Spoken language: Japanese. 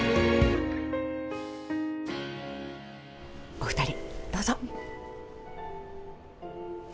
お二人どうぞ。